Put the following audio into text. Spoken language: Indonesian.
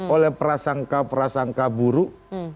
oleh prasangka prasangka buruk